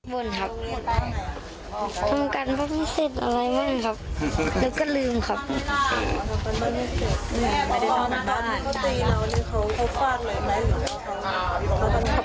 ไม่รู้ครับไม่ได้นับเพื่อนเขานับ